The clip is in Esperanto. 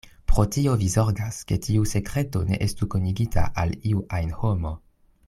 Pro tio vi zorgas, ke tiu sekreto ne estu konigita al iu ajn homo.